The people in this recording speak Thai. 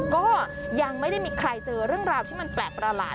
ก็ยังไม่ได้มีใครเจอเรื่องราวที่มันแปลกประหลาด